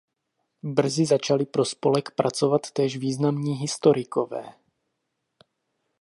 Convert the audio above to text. Brzy začali pro spolek pracovat též významní historikové.